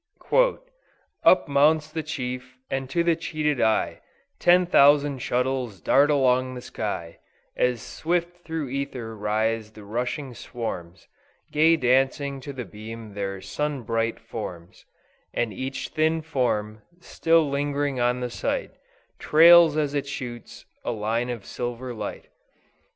"Up mounts the chief, and to the cheated eye Ten thousand shuttles dart along the sky; As swift through æther rise the rushing swarms, Gay dancing to the beam their sun bright forms; And each thin form, still ling'ring on the sight, Trails, as it shoots, a line of silver light.